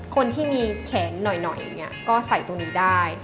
คนที่มีแขนหน่อยครับก็ใส่ตัวนี้ได้